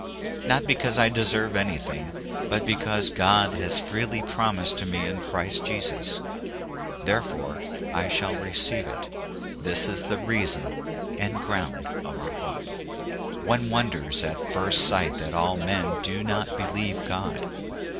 Not because /deserve anything, but because God has freely promised ir to me in Christ Jesus, therefore I shall receive it this is the reason and ground of our hope. One wonders at first sight that all men do not believe God.